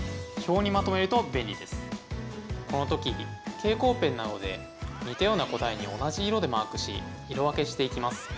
このときに蛍光ペンなどで似たような答えに同じ色でマークし色分けしていきます。